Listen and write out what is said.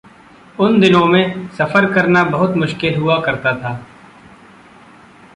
उन दिनों में सफ़र करना बहुत मुश्किल हुआ करता था।